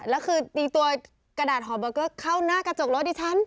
แล้วคือตีตัวกระดาษหอเบอร์เกอร์เข้าหน้ากระจกรถดิฉัน